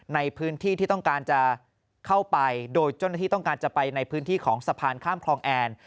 ในพื้นที่ที่ต้องการจะเข้าไปโดยเจ้าหน้าที่ต้องการจะไปในพื้นที่ของสะพานข้ามคลองแอน